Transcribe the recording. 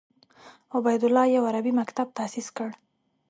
عبیدالله یو عربي مکتب تاسیس کړ.